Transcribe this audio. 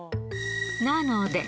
なので。